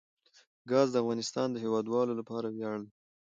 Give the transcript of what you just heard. ګاز د افغانستان د هیوادوالو لپاره ویاړ دی.